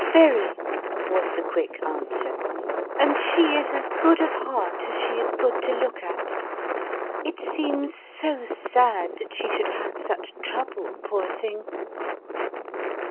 "Very," was the quick answer, "and she is as good of heart as she is good to look at. It seems so sad that she should have such trouble, poor thing